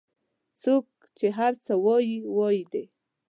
څوک چې هر څه وایي وایي دي